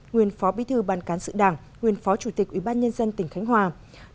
nguyên phó bí thư ban cán sự đảng nguyên phó chủ tịch ủy ban nhân dân tỉnh hòa bình